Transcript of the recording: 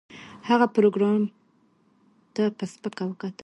هغه پروګرامر ته په سپکه وکتل